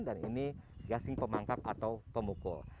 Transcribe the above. dan ini gasing pemangkat atau pemukul